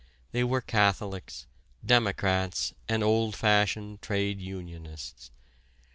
They were Catholics, Democrats and old fashioned trade unionists.